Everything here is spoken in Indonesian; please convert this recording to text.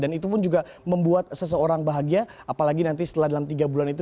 dan itu pun juga membuat seseorang bahagia apalagi nanti setelah dalam tiga bulan itu